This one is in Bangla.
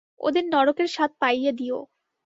ওদের নরকের স্বাদ পাইয়ে দিও!